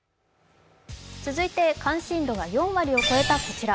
続いて関心度が４割を超えたこちら。